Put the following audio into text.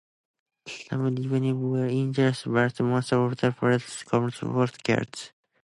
Some revenues were increased, but most of the savings came from cuts.